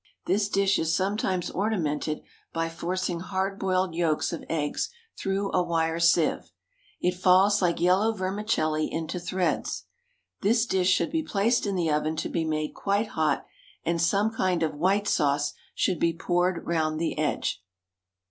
This dish is sometimes ornamented by forcing hard boiled yolks of eggs through a wire sieve. It falls like yellow vermicelli into threads. This dish should be placed in the oven, to be made quite hot, and some kind of white sauce should be poured round the edge.